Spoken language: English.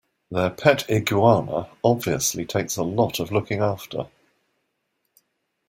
Their pet iguana obviously takes a lot of looking after.